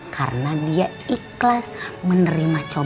karena dia ikhlas menerima coba